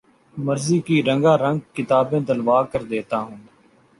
مرضی کی رنگار نگ کتابیں دلوا کر دیتا ہوں